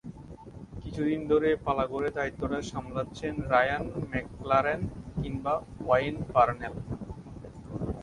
কিছুদিন ধরে পালা করে দায়িত্বটা সামলাচ্ছেন রায়ান ম্যাকলারেন কিংবা ওয়েইন পারনেল।